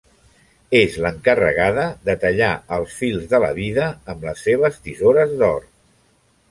És l'encarregada de tallar els fils de la vida amb les seves tisores d’or.